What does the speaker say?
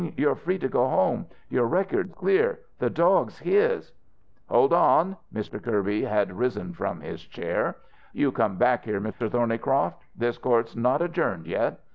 You're free to go home. Your record's clear. The dog's his!" "Hold on!" Mr. Kirby had risen from his chair. "You come back here, Mr. Thornycroft. This court's not adjourned yet.